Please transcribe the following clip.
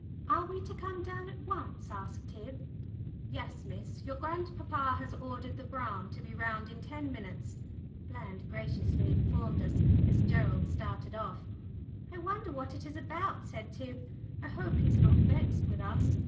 "Are we to come down at once?" asked Tib. "Yes, miss. Your grandpapa has ordered the brougham to be round in ten minutes," Bland graciously informed us as Gerald started off. "I wonder what it's about?" said Tib. "I hope he's not vexed with us."